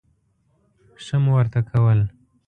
ښه مو ورته کول.